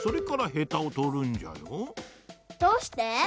どうして？